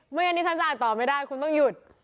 เมื่อกี้ฉันจะอ่านต่อไม่ได้คุณต้องหยุด